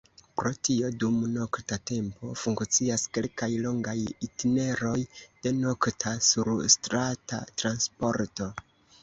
Pro tio dum nokta tempo funkcias kelkaj longaj itineroj de nokta surstrata transporto.